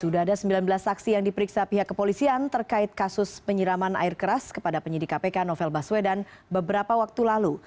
sudah ada sembilan belas saksi yang diperiksa pihak kepolisian terkait kasus penyiraman air keras kepada penyidik kpk novel baswedan beberapa waktu lalu